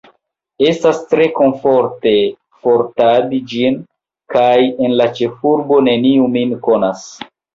Estas tre komforte portadi ĝin, kaj en la ĉefurbo neniu min konas.